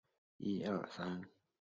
东京市民举行了盛大的庆祝活动。